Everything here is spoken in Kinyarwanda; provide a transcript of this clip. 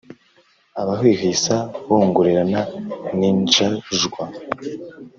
Abahwihwisa bongorerana ninjajwa